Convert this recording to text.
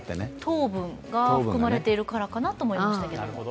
糖分が含まれてるからかなと思いましたけど。